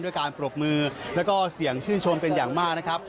ด้วยการปรบมือแล้วก็เสี่ยงชื่นชมเป็นอย่างมากนะครับ